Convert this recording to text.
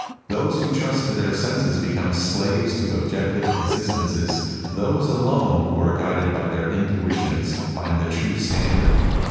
Those who trust to their senses become slaves to objec tive existences. Those alone who are guided by their intuitions find the true standard.